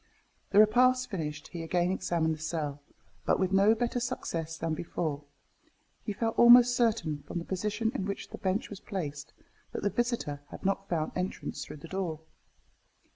The repast finished, he again examined the cell, but with no better success than before; and he felt almost certain, from the position in which the bench was placed, that the visitor had not found entrance through the door.